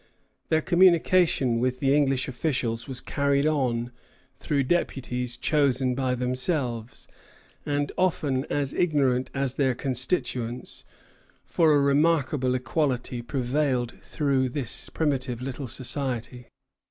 Their communication with the English officials was carried on through deputies chosen by themselves, and often as ignorant as their constituents, for a remarkable equality prevailed through this primitive little society.